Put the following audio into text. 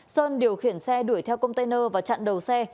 sơn điều khiển xe đuổi theo container và chặn đầu xe